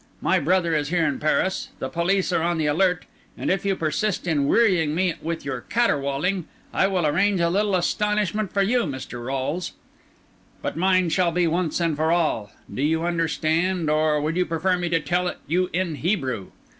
My brother is here in Paris; the police are on the alert; and if you persist in wearying me with your caterwauling, I will arrange a little astonishment for you, Mr. Rolles. But mine shall be once and for all. Do you understand, or would you prefer me to tell it you in Hebrew?